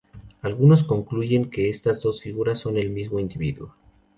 Algunos concluyen que estas dos figuras son el mismo individuo.